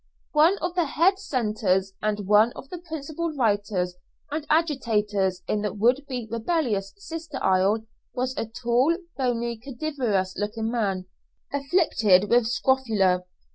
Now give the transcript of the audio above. One of the head centres, and one of the principal writers and agitators in the would be rebellious sister isle was a tall, bony, cadaverous looking man, afflicted with scrofula.